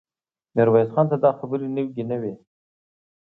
ميرويس خان ته دا خبرې نوې نه وې.